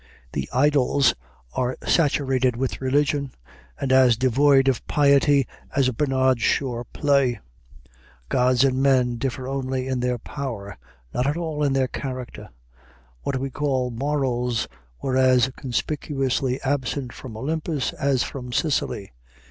The Idylls are saturated with religion, and as devoid of piety as a Bernard Shaw play. Gods and men differ only in their power, not at all in their character. What we call morals were as conspicuously absent from Olympus as from Sicily.